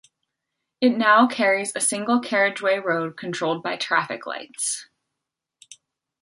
It now carries a single carriageway road controlled by traffic lights.